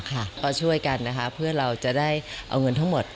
ก็ช่วยกันนะคะเพื่อเราจะได้เอาเงินทั้งหมด